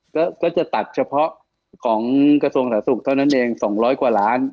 ก็จะตัดเฉพาะของกระทรวงสาธารสุขเท่านั้นเอง๒๐๐กว่าล้าน